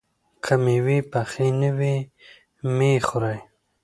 که مېوې پخې نه وي، مه یې خورئ.